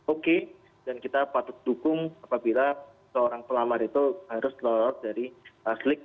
oke dan kita patut dukung apabila seorang pelamar itu harus lolos dari slik